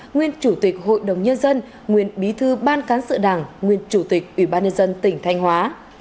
nguyên chủ tịch hội đồng nhân dân nguyên bí thư ban cán sự đảng nguyên chủ tịch ủy ban nhân dân tỉnh thanh hóa